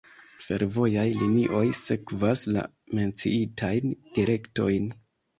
Fervojaj linioj sekvas la menciitajn direktojn.